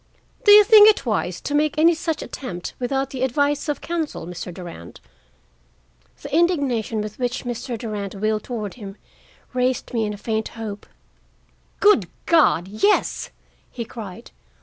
"Do you think it wise to make any such attempt without the advice of counsel, Mr. Durand?" The indignation with which Mr. Durand wheeled toward him raised in me a faint hope. "Good God, yes!" he cried.